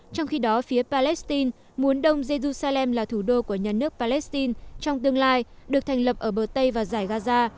trong khi đó phía palestine muốn đông jerusalem là thủ đô của nhà nước palestine trong tương lai được thành lập ở bờ tây và giải gaza